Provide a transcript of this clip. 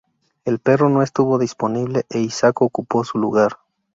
El perro no estuvo disponible e Isaac ocupó su lugar.